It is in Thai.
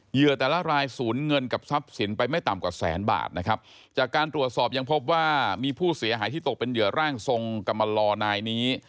เหยื่อแต่ละรายศูนย์เงินกับทรัพย์สินไปไม่ต่ำกว่าแสนบาทนะครับจากการตรวจสอบยังพบว่ามีผู้เสียหายที่ตกเป็นเหยื่อร่างทรงกรรมลอนายนี้